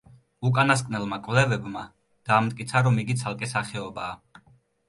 უკანასკნელმა კვლევებმა დაამტკიცა, რომ იგი ცალკე სახეობაა.